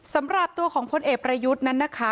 สำหรับตัวของพลเอกประยุทธ์นั้นนะคะ